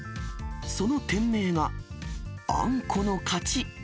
その店名が、あんこの勝ち。